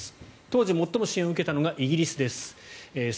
当時、最も支援を受けたのがイギリスです。